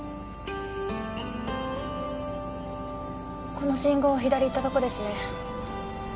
この信号を左行ったとこですね